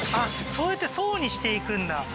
そうやって層にしていくんだ